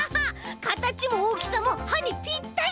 かたちもおおきさもはにぴったり！